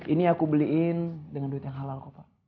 ini aku beliin dengan duit yang halal kok pak